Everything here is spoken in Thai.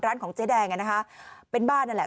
ร้านของเจ๊แดงนะคะเป็นบ้านนั่นแหละ